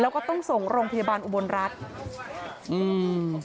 แล้วก็ต้องส่งโรงพยาบาลอุบลรัฐอืม